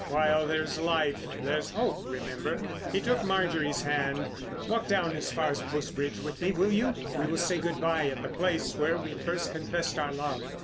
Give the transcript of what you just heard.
While there's life there's hope, remember." He took Marjorie's hand: "Walk down as far as Post Bridge with me, will you? We will say good bye at the place where we first confessed our love."